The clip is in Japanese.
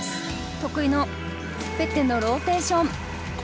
得意のフェッテのローテーション。